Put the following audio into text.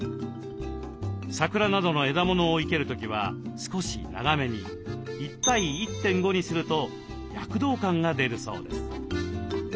桜などの枝物を生ける時は少し長めに１対１．５にすると躍動感が出るそうです。